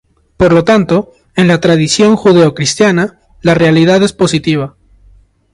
Por lo tanto, en la tradición judeo-cristiana, la realidad es positiva.